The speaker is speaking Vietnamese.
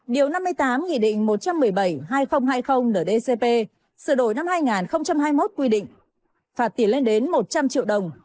điều năm mươi tám nghị định một trăm một mươi bảy hai nghìn hai mươi ndcp sửa đổi năm hai nghìn hai mươi một quy định phạt tiền lên đến một trăm linh triệu đồng